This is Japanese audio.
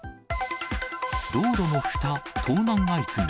道路のふた、盗難相次ぐ。